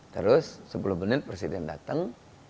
terus sepuluh menit presiden datang